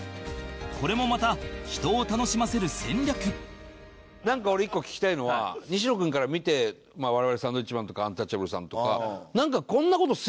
これもまた人を楽しませる戦略なんか俺一個聞きたいのは西野君から見て我々サンドウィッチマンとかアンタッチャブルさんとか。